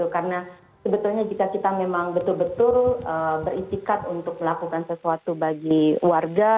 karena sebetulnya jika kita memang betul betul beristikat untuk melakukan sesuatu bagi warga